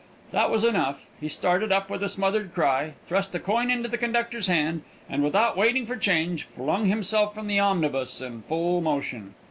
That was enough; he started up with a smothered cry, thrust a coin into the conductor's hand, and, without waiting for change, flung himself from the omnibus in full motion.